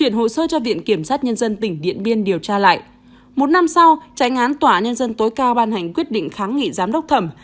bốn năm sau tránh án tòa án nhân dân tối cao ban hành quyết định kháng nghị giám đốc thẩm